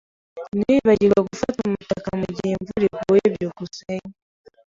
Ntiwibagirwe gufata umutaka mugihe imvura iguye. byukusenge